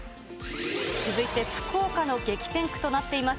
続いて福岡の激戦区となっています